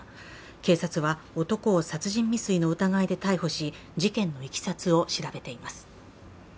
警察は男を殺人未遂の疑いで逮捕し事件のいきさつを調べています。